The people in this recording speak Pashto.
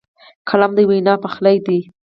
قلم د وینا پخلی دی